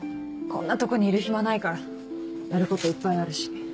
こんなとこにいる暇ないからやることいっぱいあるし。